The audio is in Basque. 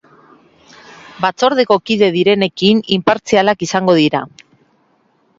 Batzordeko kide direnekin inpartzialak izango dira.